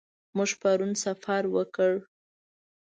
موږ پرون سفر وکړ.